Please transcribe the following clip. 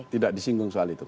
tidak disinggung soal itu